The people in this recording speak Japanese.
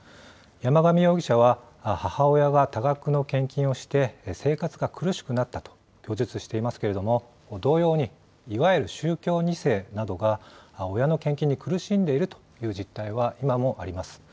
山上容疑者は、母親が多額の献金をして、生活が苦しくなったと供述していますけれども、同様に、いわゆる宗教２世などが、親の献金に苦しんでいるという実態は今もあります。